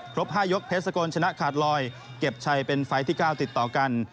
๕ยกเพชรสกลชนะขาดลอยเก็บชัยเป็นไฟล์ที่๙ติดต่อกัน